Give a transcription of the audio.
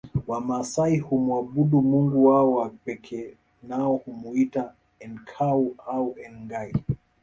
Wamasai humwabudu mungu wao wa pekee nao humwita Enkai au Engai